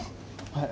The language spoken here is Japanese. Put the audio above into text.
はい。